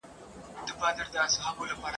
خپله وروستۍ خبره وکړه